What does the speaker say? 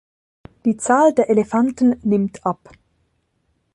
Die Zahl der Elefanten nimmt ab.